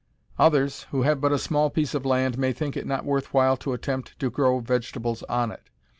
Others, who have but a small piece of land, may think it not worth while to attempt to grow vegetables on it.